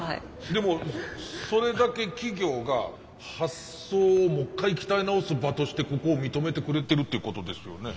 でもそれだけ企業が発想をもっかい鍛え直す場としてここを認めてくれてるってことですよね。